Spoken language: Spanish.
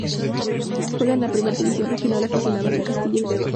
Juega en la Primera División Regional Aficionados de Castilla y León.